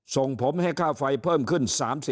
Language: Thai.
ส่งผมให้ค่าไฟเพิ่มขึ้น๓๐